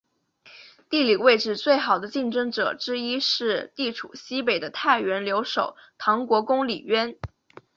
地理位置最好的竞争者之一是地处西北的太原留守唐国公李渊。